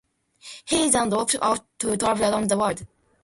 He then dropped out to travel around the world.